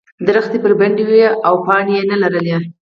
ونې بربنډې وې او پاڼې یې نه لرلې.